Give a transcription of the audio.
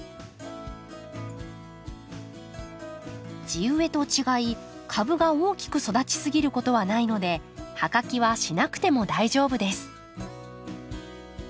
地植えと違い株が大きく育ちすぎることはないので葉かきはしなくても大丈夫です。